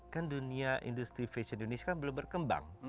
kan dunia industri fashion indonesia kan belum berkembang